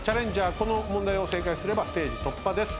この問題を正解すればステージ突破です。